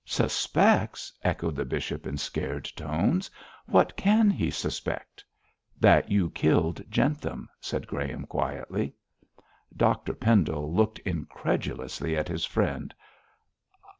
'Suspects!' echoed the bishop, in scared tones. 'What can he suspect?' 'That you killed Jentham,' said Graham, quietly. Dr Pendle looked incredulously at his friend.